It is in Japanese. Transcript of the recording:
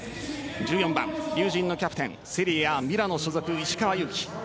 １４番龍神のキャプテンセリエＡミラノ所属石川祐希。